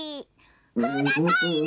「くださいな」。